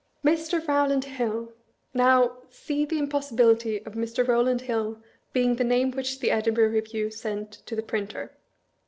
Mr. Eowland Hill !! Now, see the impossibility of Mr. Eowland Hill being the name which the Edinburgh Review sent to the printer.